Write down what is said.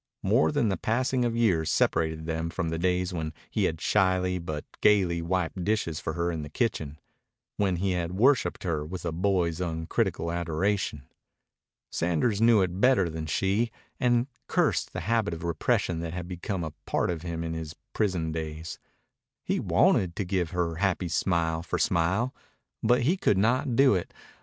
More than the passing of years separated them from the days when he had shyly but gayly wiped dishes for her in the kitchen, when he had worshiped her with a boy's uncritical adoration. Sanders knew it better than she, and cursed the habit of repression that had become a part of him in his prison days. He wanted to give her happy smile for smile. But he could not do it.